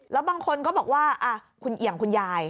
แล้วบางคนก็บอกว่าอย่างคุณยาย